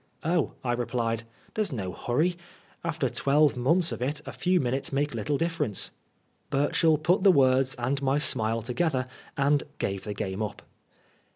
"Oh," I replied, "there's no hurry ; after twelve months of it a few minutes make little difference." Burchell put the words and my smile together, and gave the game up.